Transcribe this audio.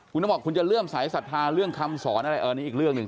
คุณต้องบอกคุณจะเลื่อมสายศรัทธาเรื่องคำสอนอะไรอันนี้อีกเรื่องหนึ่ง